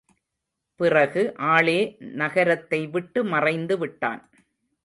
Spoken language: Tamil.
பிறகு ஆளே நகரத்தை விட்டு மறைந்துவிட்டான்.